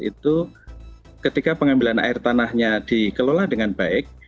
itu ketika pengambilan air tanahnya dikelola dengan baik